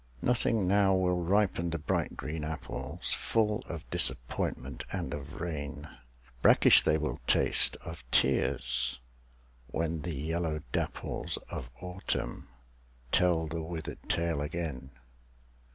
Nothing now will ripen the bright green apples, Full of disappointment and of rain, Brackish they will taste, of tears, when the yellow dapples Of Autumn tell the withered tale again.